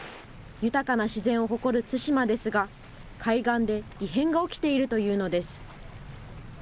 豊かな自然を誇る対馬ですが、海岸で異変が起きているというのです。